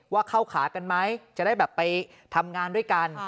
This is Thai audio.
ว่าเข้าขากันไหมจะได้แบบไปทำงานด้วยกัน